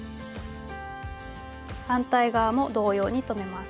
反対側も同様に留めます。